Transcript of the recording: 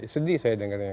sedih saya dengarnya